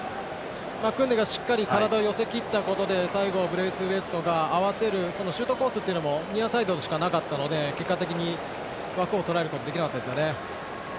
クンデが、しっかり体を寄せきったことで最後、ブレイスウェイトが合わせるそのシュートコースもニアサイドしかなかったので結果的に枠をとらえることができなかったですね。